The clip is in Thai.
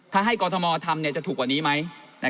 ถ้าให้กรทมทำจะถูกกว่านี้ไหม